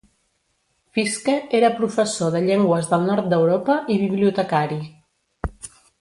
Fiske era professor de llengües del nord d'Europa i bibliotecari.